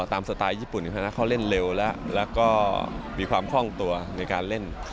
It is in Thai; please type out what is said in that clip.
สไตล์ญี่ปุ่นคณะเขาเล่นเร็วแล้วแล้วก็มีความคล่องตัวในการเล่น